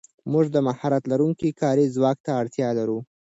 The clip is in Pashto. موږ د مهارت لرونکي کاري ځواک ته اړتیا لرو.